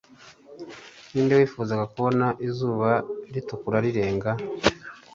Ninde wifuzaga kubona izuba ritukura rirenga